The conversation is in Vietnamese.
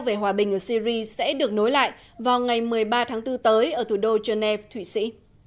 về hòa bình ở syri sẽ được nối lại vào ngày một mươi ba tháng bốn tới ở thủ đô geneva thụy sĩ